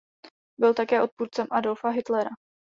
Byl také odpůrcem Adolfa Hitlera.